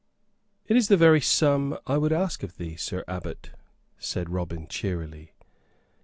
"It is the very sum I would ask of thee, Sir Abbot," said Robin, cheerily.